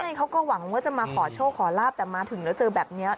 ใช่เขาก็หวังว่าจะมาขอโชคขอลาบแต่มาถึงแล้วเจอแบบนี้